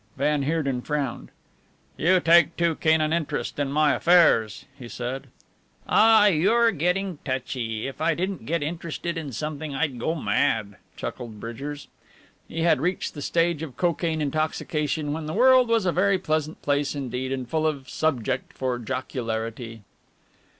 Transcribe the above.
Van Heerden frowned. "You take too keen an interest in my affairs," he said. "Aw! You're getting touchy. If I didn't get interested in something I'd go mad," chuckled Bridgers. He had reached that stage of cocaine intoxication when the world was a very pleasant place indeed and full of subject for jocularity.